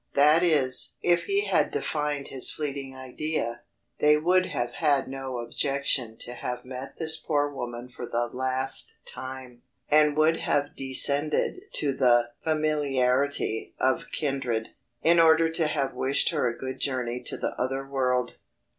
That is (if he had defined his fleeting idea), "They would have had no objection to have met this poor woman for the last time, and would have descended to the familiarity of kindred, in order to have wished her a good journey to the other world."